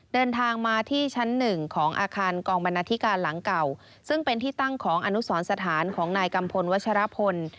เดินทางมาที่ชั้นหนึ่งของอาคารกองบรรณาธิการหลังเก่าซึ่งเป็นที่ตั้งของอนุสรสถานของนายกัมพลวัชรพล